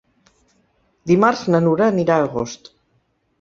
Dimarts na Nura anirà a Agost.